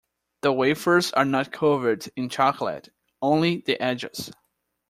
The wafers are not covered in chocolate, only the edges.